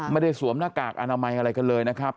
สวมหน้ากากอนามัยอะไรกันเลยนะครับ